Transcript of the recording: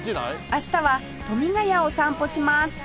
明日は富ヶ谷を散歩します